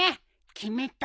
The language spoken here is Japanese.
決めた！